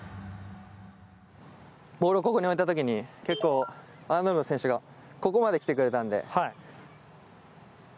ボールをここに置いた時に結構、アーノルド選手がここまで来てくれたので。